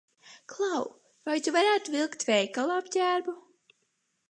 Klau, vai tu varētu vilkt veikala apģērbu?